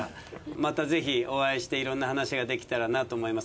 またぜひお会いしていろんな話ができたらなと思います。